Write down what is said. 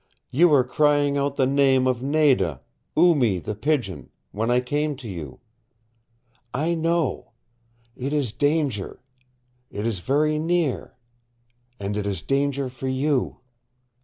You were crying out the name of Nada Oo Mee the Pigeon when I came to you. I know. It is danger. It is very near. And it is danger for you."